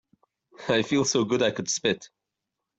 I feel so good I could spit.